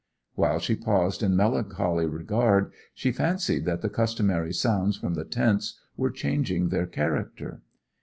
While she paused in melancholy regard, she fancied that the customary sounds from the tents were changing their character.